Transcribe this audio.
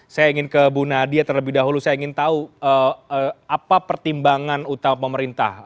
saya ingin ke bu nadia terlebih dahulu saya ingin tahu apa pertimbangan utama pemerintah